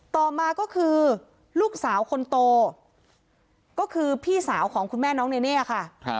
ต่อมาก็คือลูกสาวคนโตก็คือพี่สาวของคุณแม่น้องเนเน่ค่ะ